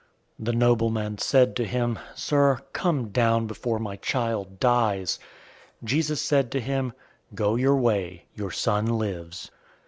004:049 The nobleman said to him, "Sir, come down before my child dies." 004:050 Jesus said to him, "Go your way. Your son lives."